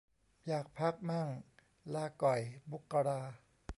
อยากพักมั่ง ลาก่อยมกรา